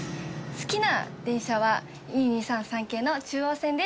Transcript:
好きな電車はＥ２３３系の中央線です。